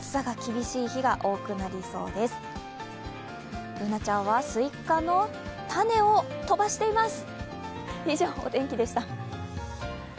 Ｂｏｏｎａちゃんはスイカの種を飛ばしています。